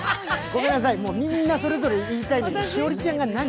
ごめんなさい、みんなそれぞれ言いたいけど、栞里ちゃん、何？